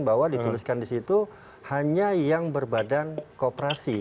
bahwa dituliskan di situ hanya yang berbadan kooperasi